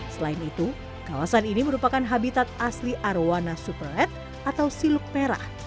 selain itu kawasan ini merupakan habitat asli arowana super ad atau siluk merah